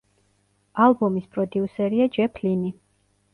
ალბომის პროდიუსერია ჯეფ ლინი.